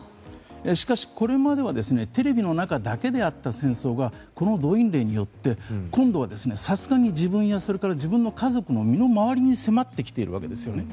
しかし、これまではテレビの中だけであった戦争がこの動員令によって今度はさすがに、自分やそれから自分の家族や身の回りに迫ってきているわけなんですね。